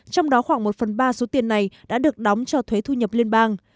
trong đó khoảng một phần ba số tiền này đã được đóng cho thuế thu nhập liên bang